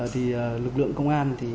thì lực lượng công an